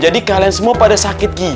jadi kalian semua pada sakit gigi